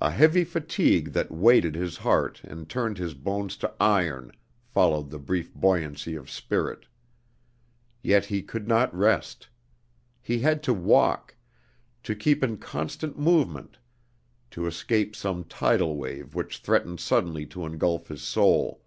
A heavy fatigue that weighted his heart and turned his bones to iron followed the brief buoyancy of spirit. Yet he could not rest. He had to walk, to keep in constant movement, to escape some tidal wave which threatened suddenly to engulf his soul.